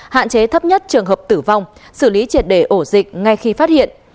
hạn chế thấp nhất trường hợp tử vong xử lý triệt đề ổ dịch ngay khi phát hiện